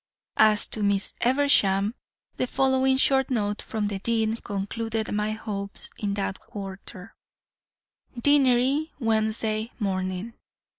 "As to Miss Eversham, the following short note from the dean concluded my hopes in that quarter: "Deanery, Wednesday morning.